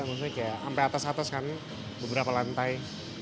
maksudnya kayak sampai atas atas kan beberapa lantai